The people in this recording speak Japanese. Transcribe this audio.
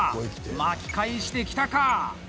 巻き返してきたか！？